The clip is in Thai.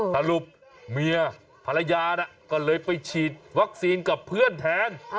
สรุปเมียภรรยาน่ะก็เลยไปฉีดวัคซีนกับเพื่อนแทน